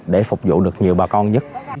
để phục vụ được nhiều bà con nhất